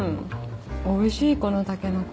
おいしいこのタケノコ。